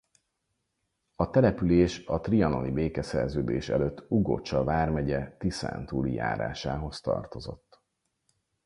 A település a trianoni békeszerződés előtt Ugocsa vármegye Tiszántúli járásához tartozott.